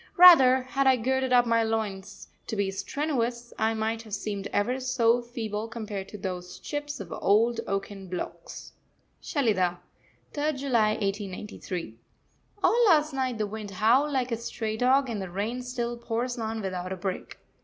Rather, had I girded up my loins to be strenuous, I might have seemed ever so feeble compared to those chips of old oaken blocks. SHELIDAH, 3rd July 1893. All last night the wind howled like a stray dog, and the rain still pours on without a break.